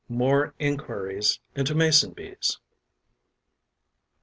MORE ENQUIRIES INTO MASON BEES.